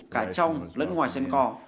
cả trong lẫn ngoài xem cỏ